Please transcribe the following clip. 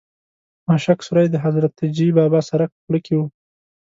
ماشک سرای د حضرتجي بابا سرک په خوله کې و.